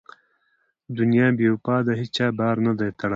دنیا بې وفا ده هېچا بار نه دی تړلی.